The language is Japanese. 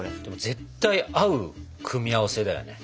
絶対合う組み合わせだよね。